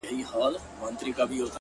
زحمت د راتلونکي حاصل خېزي زیاتوي